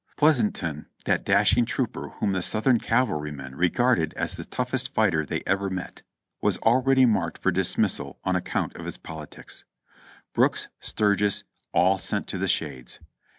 Pleasanton, that dashing trooper whom the Southern cavalry men regarded as the toughest fighter they ever met, was already marked for dismissal on account of his politics. Brooks, Sturgis, — all sent to the shades.